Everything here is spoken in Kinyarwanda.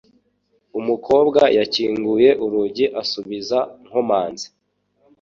Umukobwa yakinguye urugi asubiza nkomanze.